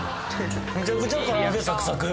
めちゃくちゃから揚げサクサク